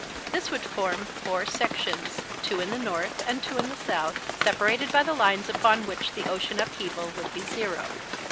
This would form four sections, two in the north and two in the south, separated by the lines upon which the ocean upheaval would be zero.